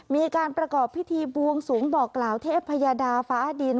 มีการประกอบพิธีบวงสวงบอกกล่าวเทพยาดาฟ้าดิน